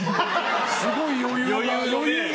すごい余裕が。